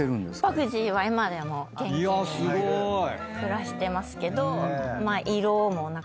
バグジーは今でも元気に暮らしてますけど。